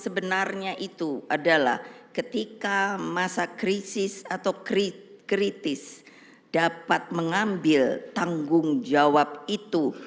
sebenarnya itu adalah ketika masa krisis atau kritis dapat mengambil tanggung jawab itu